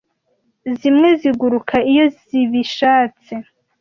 Zimwe ziguruka iyo zibishatse!"